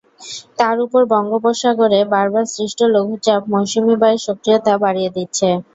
তার ওপর বঙ্গোপসাগরে বারবার সৃষ্ট লঘুচাপ মৌসুমি বায়ুর সক্রিয়তা বাড়িয়ে দিচ্ছে।